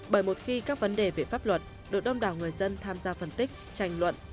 bởi một khi các vấn đề về pháp luật được đông đảo người dân tham gia phân tích tranh luận